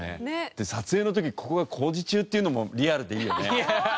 で撮影の時ここが工事中っていうのもリアルでいいよね。